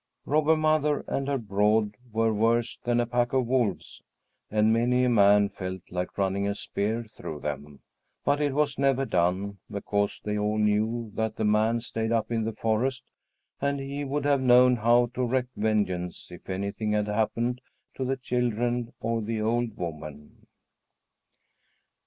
Robber Mother and her brood were worse than a pack of wolves, and many a man felt like running a spear through them; but it was never done, because they all knew that the man stayed up in the forest, and he would have known how to wreak vengeance if anything had happened to the children or the old woman.